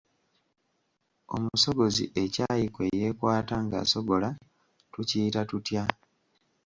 Omusogozi ekyayi kwe yeekwata ng’asogola tukiyita tutya?